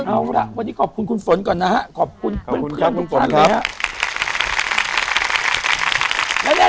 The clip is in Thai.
เอาล่ะวันนี้ขอบคุณคุณฝนก่อนนะฮะ